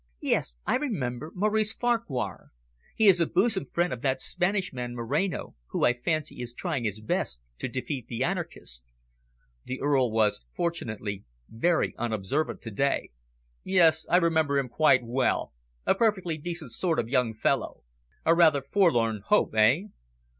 Yes, I remember, Maurice Farquhar. He is a bosom friend of that Spanish man, Moreno, who, I fancy, is trying his best to defeat the anarchists." The Earl was, fortunately, very unobservant to day. "Yes, I remember him quite well, a perfectly decent sort of young fellow. A rather forlorn hope, eh?"